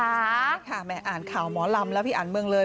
ใช่ค่ะแม่อ่านข่าวหมอลำแล้วพี่อ่านเมืองเลย